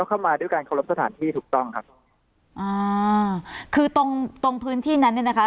ที่ถูกต้องครับอ่าคือตรงตรงพื้นที่นั้นเนี้ยนะคะ